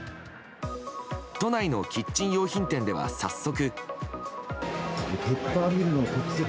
都内のキッチン用品店では早速。